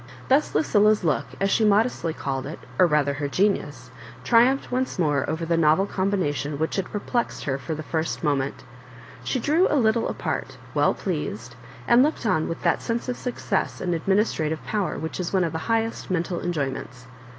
Thus Lucilla's look, as she mo destly cidled it, or rather her genius, triumphed onoe more over the novel combination which had perplexed her for the first moment She drew a little apart, well pleased, and looked on with that sense of success and administrative power which is one of tlie highest of mental enjoyments.